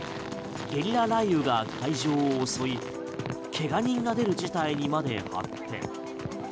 ゲリラ雷雨が会場を襲い怪我人が出る事態にまで発展。